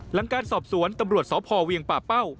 หลังการสอบสวนตำรวจสพเวียงป่าเป้า